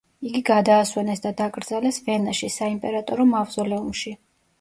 იგი გადაასვენეს და დაკრძალეს ვენაში, საიმპერატორო მავზოლეუმში.